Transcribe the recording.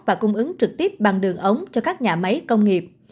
và cung ứng trực tiếp bằng đường ống cho các nhà máy công nghiệp